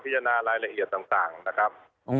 จานารายละเอียดต่างนะครับ